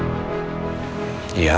terima kasih banyak om